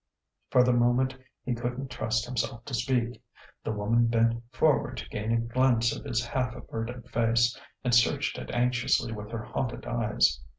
For the moment he couldn't trust himself to speak. The woman bent forward to gain a glimpse of his half averted face, and searched it anxiously with her haunted eyes.